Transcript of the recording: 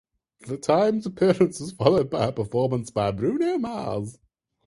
The Time's appearance was followed by a performance by Bruno Mars.